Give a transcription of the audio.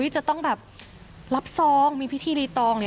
จะต้องแบบรับซองมีพิธีรีตอง